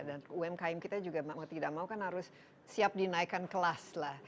dan umkm kita juga mau tidak mau kan harus siap dinaikkan kelas lah